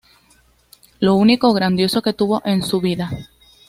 Lo único grandioso que tuvo en su vida.